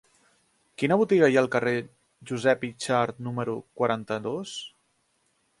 Quina botiga hi ha al carrer de Josep Yxart número quaranta-dos?